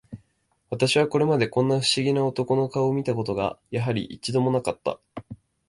私はこれまで、こんな不思議な男の顔を見た事が、やはり、一度も無かった